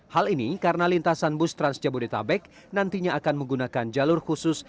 hal ini karena lintasan bus trans jabodetabek nantinya akan menggunakan jalur khusus